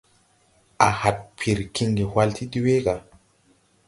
A had pir kiŋgi hwal ti dwee ga.